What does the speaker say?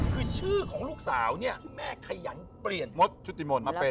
คือชื่อของลูกสาวเนี่ยที่แม่ขยันเปลี่ยนมดชุติมนต์มาเป็น